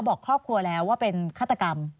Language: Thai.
บอกครอบครัวแล้วว่าเป็นฆาตกรรม